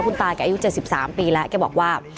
คุณตาแกอายุ๗๓ปีแล้วแกบอกว่า